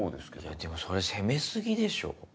いやでもそれ攻め過ぎでしょ。